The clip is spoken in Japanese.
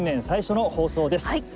最初の放送です。